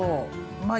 まあ